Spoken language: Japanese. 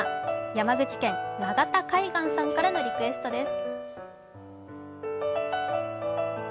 山口県、長田海岸さんからのリクエストです。